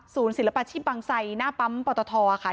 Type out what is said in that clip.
ศูนย์ศิลปะชิบบางไซหน้าปั๊มปะตะทอค่ะ